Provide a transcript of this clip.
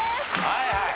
はいはい。